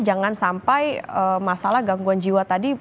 jangan sampai masalah gangguan jiwa tadi